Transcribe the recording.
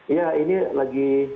ya ini lagi